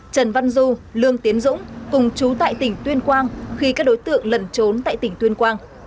trần văn du lương tiến dũng cùng chú tại tỉnh tuyên quang khi các đối tượng lần trốn tại tỉnh tuyên quang